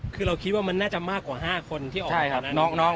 คือเราคิดว่ามันน่าจะมากกว่า๕คนที่ออก